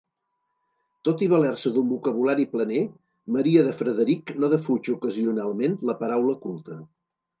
Tot i valer-se d'un vocabulari planer, Maria de Frederic no defuig, ocasionalment, la paraula culta.